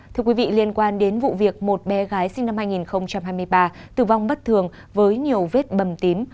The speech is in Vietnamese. thưa quý vị liên quan đến vụ việc một bé gái sinh năm hai nghìn hai mươi ba tử vong bất thường với nhiều vết bầm tím